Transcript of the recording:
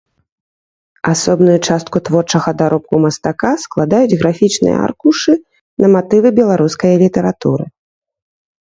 Асобную частку творчага даробку мастака складаюць графічныя аркушы на матывы беларускае літаратуры.